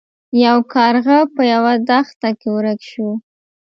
یو کارغه په یوه دښته کې ورک شو.